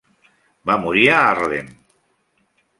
Va morir a Haarlem.